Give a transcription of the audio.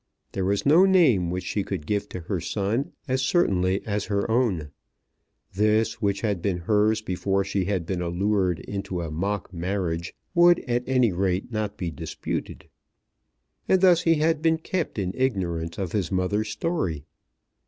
There was no name which she could give to her son as certainly as her own. This, which had been hers before she had been allured into a mock marriage, would at any rate not be disputed. And thus he had been kept in ignorance of his mother's story.